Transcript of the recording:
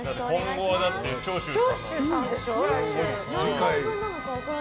今後は長州さんだから。